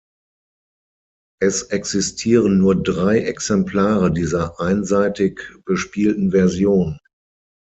Es existieren nur drei Exemplare dieser einseitig bespielten Version.